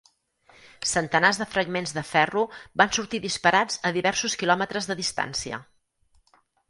Centenars de fragments de ferro van sortir disparats a diversos quilòmetres de distància.